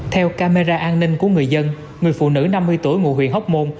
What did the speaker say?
theo camera an ninh của người dân người phụ nữ năm mươi tuổi ngụ huyện hóc môn